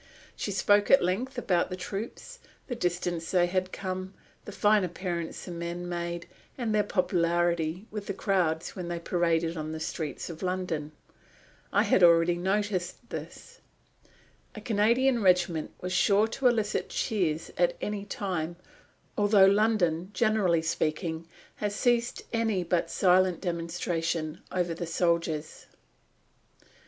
She spoke at length about the troops, the distance they had come, the fine appearance the men made, and their popularity with the crowds when they paraded on the streets of London. I had already noticed this. A Canadian regiment was sure to elicit cheers at any time, although London, generally speaking, has ceased any but silent demonstration over the soldiers.